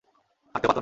হাঁটতেও পারত না।